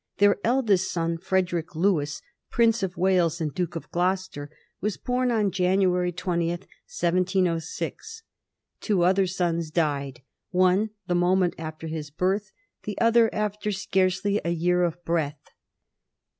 Their eldest son, Fred erick Lewis, Prince of Wales and Duke of Gloucester, was born on January 20, 1706. Two other sons died, one the momeiH after his birth, the other after scarcely a year of breath.